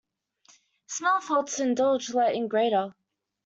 Small faults indulged let in greater.